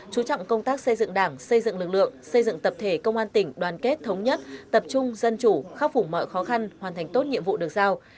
chú trọng công tác xây dựng đảng xây dựng lực lượng xây dựng tập thể công an tỉnh đoàn kết thống nhất tập trung dân chủ khắc phủ mọi khó khăn hoàn thành tốt nhiệm vụ được giao